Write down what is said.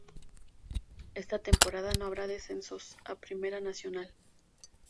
Esta temporada no habrá descensos a Primera Nacional.